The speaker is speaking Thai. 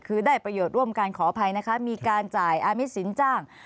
คือได้ประโยชน์ร่วมกันขออภัยนะคะมีการจ่ายอามิตสินจ้าง